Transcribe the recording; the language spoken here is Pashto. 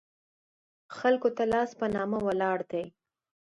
خلکو ته لاس په نامه ولاړ دي.